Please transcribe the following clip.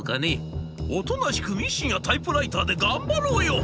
「おとなしくミシンやタイプライターで頑張ろうよ」。